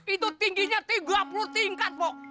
itu tingginya tiga puluh tingkat bu